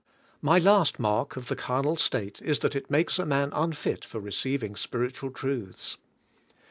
My last mark of the carnal state is that it makes a man unfit for receiving spiritual truths.